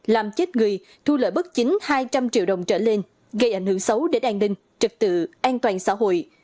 làm chết người thu lợi bất chính hai trăm linh triệu đồng trở lên gây ảnh hưởng xấu đến an ninh trực tự an toàn xã hội